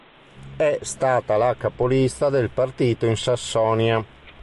È stata la capolista del partito in Sassonia.